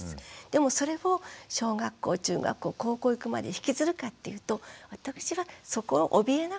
でもそれを小学校中学校高校行くまで引きずるかっていうと私はそこをおびえなくていいと思う。